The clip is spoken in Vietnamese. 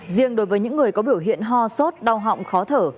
riêng đối với những người có biểu hiện ho sốt đau họng khó thở